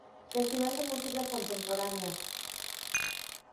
Festival de música contemporánea.